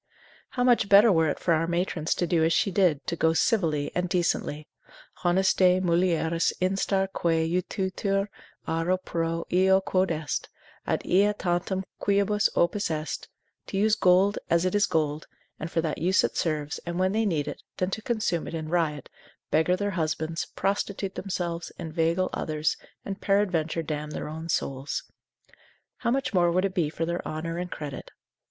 How much better were it for our matrons to do as she did, to go civilly and decently, Honestae mulieris instar quae utitur auro pro eo quod est, ad ea tantum quibus opus est, to use gold as it is gold, and for that use it serves, and when they need it, than to consume it in riot, beggar their husbands, prostitute themselves, inveigle others, and peradventure damn their own souls? How much more would it be for their honour and credit?